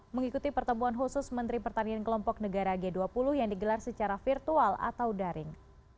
mengikuti pertemuan khusus menteri pertanian kelompok negara g dua puluh yang digelar secara virtual atau daring